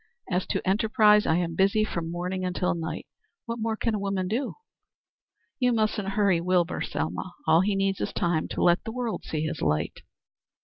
As to enterprise, I am busy from morning until night. What more can a woman do? You mustn't hurry Wilbur, Selma. All he needs is time to let the world see his light."